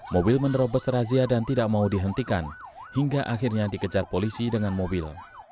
mobil menerobos razia dan tidak mau dihentikan hingga akhirnya dikejar polisi dengan mobil